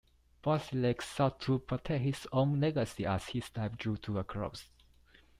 Brasillach sought to protect his own legacy as his life drew to a close.